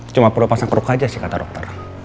cuma perlu pasang perut aja sih kata dokter